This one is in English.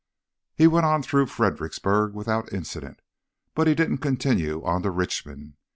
He went on through Fredericksburg without incident, but he didn't continue on to Richmond.